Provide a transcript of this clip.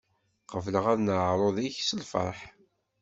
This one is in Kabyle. Qebleɣ aneɛṛuḍ-ik s lfeṛḥ.